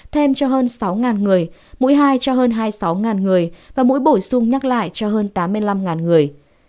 thêm cho hơn sáu người mũi hai cho hơn hai mươi sáu người và mỗi bổ sung nhắc lại cho hơn tám mươi năm người